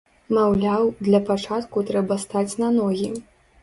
Маўляў, для пачатку трэба стаць на ногі.